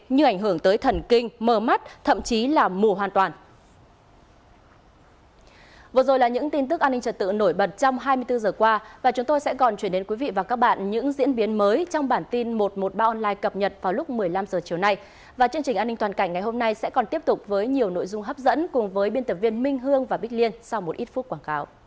như ảnh hưởng tới thần kinh mờ mắt thậm chí là mù hoàn toàn